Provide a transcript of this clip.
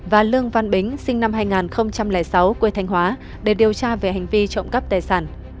và lương văn bính sinh năm hai nghìn sáu quê thanh hóa để điều tra về hành vi trộm cắp tài sản